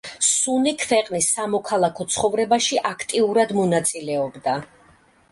სუნი ქვეყნის სამოქალაქო ცხოვრებაში აქტიურად მონაწილეობდა.